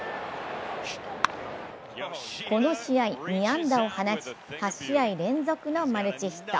この試合、２安打を放ち８試合連続のマルチヒット。